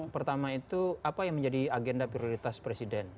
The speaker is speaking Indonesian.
pertama itu apa yang menjadi agenda prioritas presiden